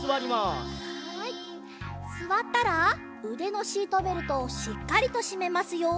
すわったらうでのシートベルトをしっかりとしめますよ。